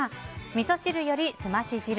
みそ汁より澄まし汁。